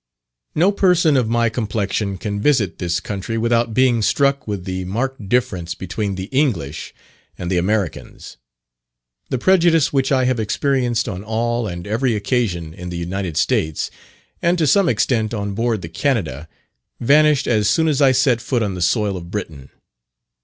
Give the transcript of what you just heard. No person of my complexion can visit this country without being struck with the marked difference between the English and the Americans. The prejudice which I have experienced on all and every occasion in the United States, and to some extent on board the Canada, vanished as soon as I set foot on the soil of Britain.